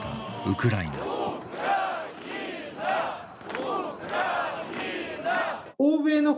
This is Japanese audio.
ウクライナより。